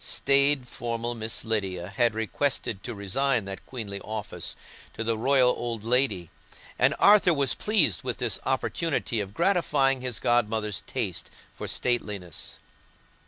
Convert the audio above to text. Staid, formal Miss Lydia had requested to resign that queenly office to the royal old lady, and Arthur was pleased with this opportunity of gratifying his godmother's taste for stateliness.